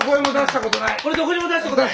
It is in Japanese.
これどこにも出したことない？